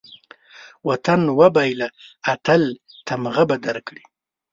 وطن وبېله، اتل تمغه به درکړي